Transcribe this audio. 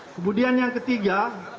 kemudian yang ketiga